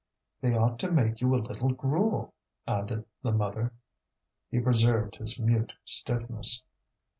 "They ought to make you a little gruel," added the mother. He preserved his mute stiffness.